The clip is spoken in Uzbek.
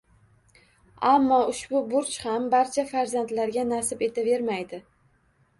Ammo ushbu burch ham barcha farzandlarga nasib etavermaydi.